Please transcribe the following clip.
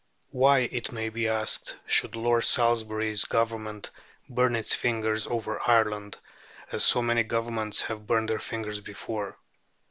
Why, it may be asked, should Lord Salisbury's Government burn its fingers over Ireland, as so many governments have burnt their fingers before?